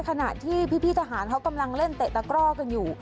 ขณะที่พี่ทหารเขากำลังเล่นเตะตะกร่อกันอยู่